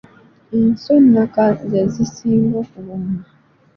Enswa ennaka ze zisinga okuwooma.